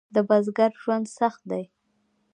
د بزګر ژوند سخت دی؟